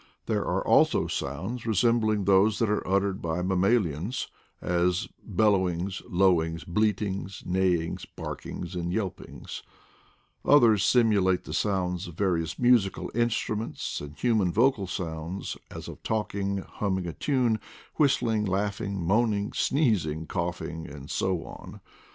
There are also sounds resembling BIRD MUSIC IN SOUTH AMERICA 147 those that are uttered by mammalians, as bellow ings, lowings, bleatings, neighings, barkings, and yelpings. Oilier s simulate the sounds of various musical instruments, and human vocal sounds, as of talking, humming a tune, whistling, laughing, moaning, sneezing, coughing, and so on.